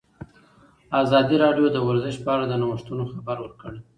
ازادي راډیو د ورزش په اړه د نوښتونو خبر ورکړی.